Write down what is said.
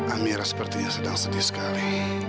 amira sepertinya sedang sedih sekali